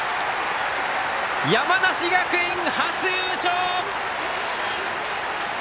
山梨学院、初優勝！